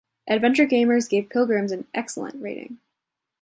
Adventure Gamers gave Pilgrims an "excellent" rating.